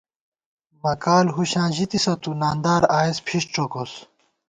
مکال ہُشاں ژِتِسہ تُو ، ناندار آئېس پھِݭ څوکوس